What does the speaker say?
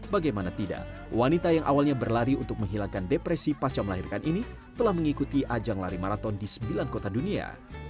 bagaimana tidak wanita yang awalnya berlari untuk menghilangkan depresi pasca melahirkan ini telah mengikuti ajang lari maraton di sembilan kota dunia